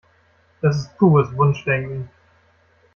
Das ist pures Wunschdenken.